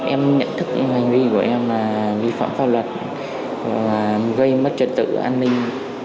em nhận thức những hành vi của em là vi phạm pháp luật gây mất trật tự an ninh